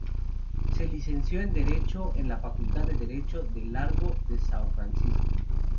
Se licenció en Derecho en la Facultad de Derecho del Largo de São Francisco.